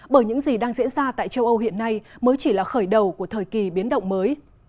bởi những gì đang diễn ra tại châu âu hiện nay mới chỉ là khởi đầu của thời kỳ biến động mới